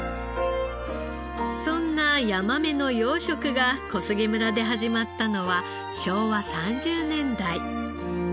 そんなヤマメの養殖が小菅村で始まったのは昭和３０年代。